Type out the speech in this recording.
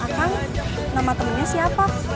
akang nama temennya siapa